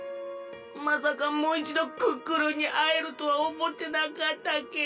まさかもういちどクックルンにあえるとはおもってなかったけえ。